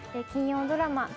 金曜ドラマ